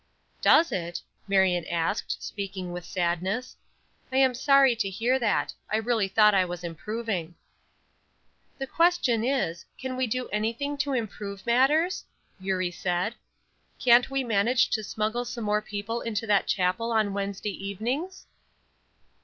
"Does it," Marion asked, speaking with sadness. "I am sorry to hear that. I really thought I was improving." "The question is, can we do anything to improve matters?" Eurie said. "Can't we manage to smuggle some more people into that chapel on Wednesday evenings?"